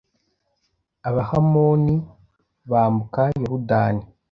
abahamoni bambuka yorudani